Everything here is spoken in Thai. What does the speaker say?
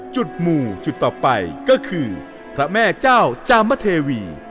หมู่จุดต่อไปก็คือพระแม่เจ้าจามเทวี